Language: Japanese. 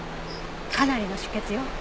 かなりの出血よ。